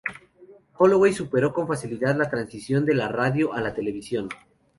Holloway superó con facilidad la transición de la radio a la televisión.